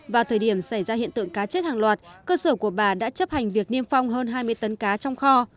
vào thời điểm xảy ra hiện tượng cá chết hàng loạt cơ sở của bà đã chấp hành việc niêm phong hơn hai mươi tấn cá trong kho